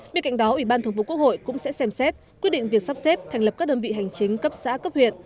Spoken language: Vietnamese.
bên cạnh đó ủy ban thường vụ quốc hội cũng sẽ xem xét quyết định việc sắp xếp thành lập các đơn vị hành chính cấp xã cấp huyện